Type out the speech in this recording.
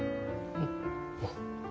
うん。